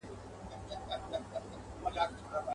خپل کمال به د څښتن په مخ کي ږدمه.